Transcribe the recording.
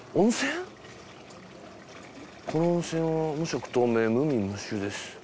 「この温泉は無色透明無味無臭です」。